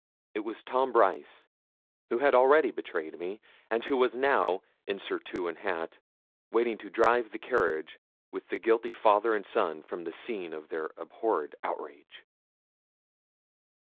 It was Tom Brice, who had already betrayed me, and who was now, in surtout and hat, waiting to drive the carriage with the guilty father and son from the scene of their abhorred outrage.